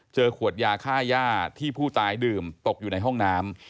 ขวดยาค่าย่าที่ผู้ตายดื่มตกอยู่ในห้องน้ำ